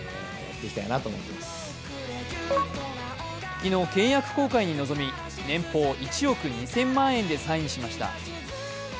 昨日、契約更改に臨み年俸推定１億２０００万円でサインしました。